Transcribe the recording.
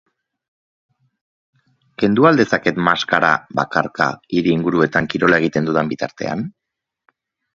Kendu al dezaket maskara, bakarka, hiri-inguruetan kirola egiten dudan bitartean?